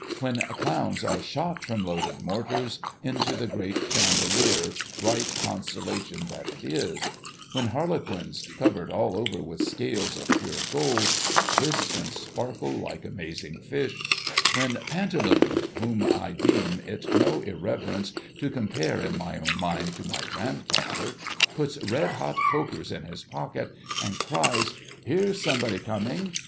— when clowns are shot from loaded mortars into the great chandelier, bright constellation that it is; when Plarlequins, covered all over with scales of pure gold, twist and sparkle, like amazing fish ; when Pantaloon (whom I deem it no irreverence to compare in my own mind to my grandfather) puts red hot pokers in his pocket, and cries ' Here's somebody coming